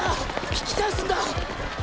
引き返すんだ！